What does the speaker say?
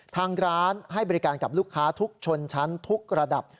ทางร้านให้บริการกับลูกค้าทุกชนชั้นทุกระดับ